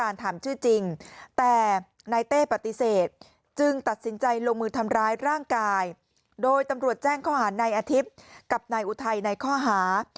ตำรวจแจ้งข้อหานายอาทิตย์กับนายอุทัยในข้อหา